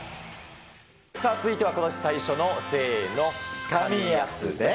さあ、続いてはことし最初の、せーの、カミヤスです。